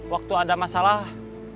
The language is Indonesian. waktu ada masalah